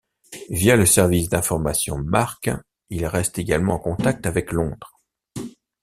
Via le service d’informations Marc, il reste également en contact avec Londres.